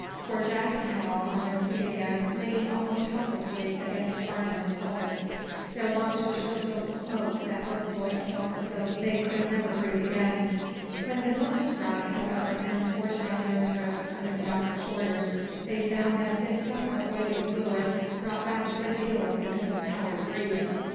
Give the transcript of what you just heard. For Jack and Hal, on their feet again, leaned almost helplessly against Farnum and Pollard. Their lungs were so filled with smoke that both boys felt as though they could never breathe again. When the milk was brought, however, and forced down their throats under the doctor's orders, they found that this somewhat oily fluid brought back a good deal of the missing power to breathe.